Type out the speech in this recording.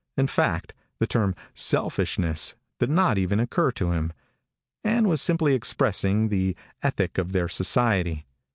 In fact, the term "selfishness" did not even occur to him. Ann was simply expressing the ethic of their society.